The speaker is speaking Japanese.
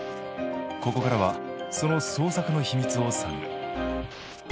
ここからはその創作の秘密を探る。